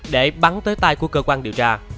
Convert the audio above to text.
để bắn tới tai của cơ quan điều tra